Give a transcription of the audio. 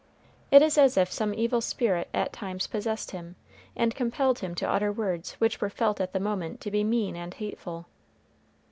It is as if some evil spirit at times possessed him, and compelled him to utter words which were felt at the moment to be mean and hateful.